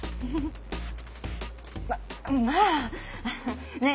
まあねえ